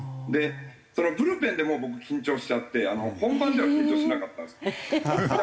そのブルペンでもう僕緊張しちゃって本番では緊張しなかったんですけど。